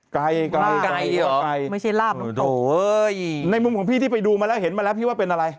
กลายกลายกลายมันใช่ลำโอ้เฮ้ยไม่มึงพี่ได้ไปดูมาแล้วเห็นมาแล้ว